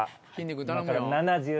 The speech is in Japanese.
今から。